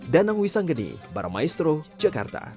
danangwisan geni baramaes tiga ru jakarta